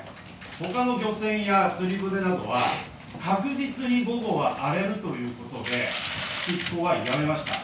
ほかの漁船や釣り船などは確実に午後は荒れるということで出航はやめました。